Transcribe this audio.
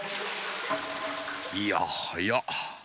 いやはや。